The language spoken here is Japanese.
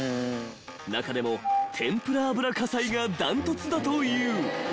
［中でも天ぷら油火災が断トツだという］